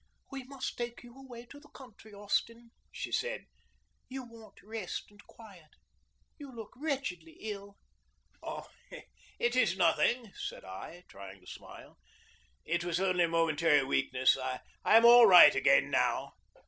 "We must take you away to the country, Austin," she said. "You want rest and quiet. You look wretchedly ill." "Oh, it is nothing!" said I, trying to smile. "It was only a momentary weakness. I am all right again now."